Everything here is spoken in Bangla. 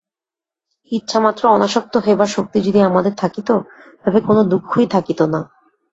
ইচ্ছামাত্র অনাসক্ত হইবার শক্তি যদি আমাদের থাকিত, তবে কোন দুঃখই থাকিত না।